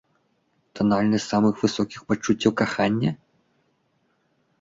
Танальнасць самых высокіх пачуццяў кахання?